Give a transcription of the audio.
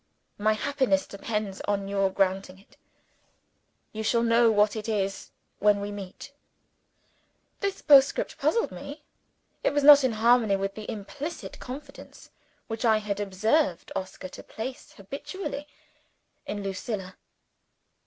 My happiness depends on your granting it. You shall know what it is, when we meet. "OSCAR." This postscript puzzled me. It was not in harmony with the implicit confidence which I had observed Oscar to place habitually in Lucilla.